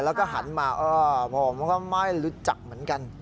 แล้วก็หันมาเออผมก็ไม่รู้จักเหมือนกัน